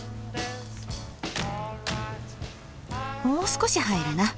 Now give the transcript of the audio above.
もう少し入るな。